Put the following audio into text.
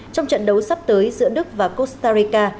trong trận đấu sắp tới giữa đức và costa rica